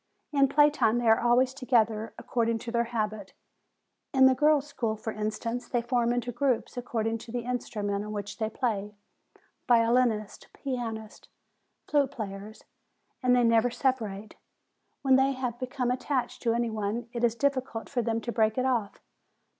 In play time they are always together, according to their habit. In the girls' school, for instance, they form into groups according to the instrument on which they play, violinists, pianists, and flute players, and they never separate. When they have become attached to any one, it is difficult for them to break it off.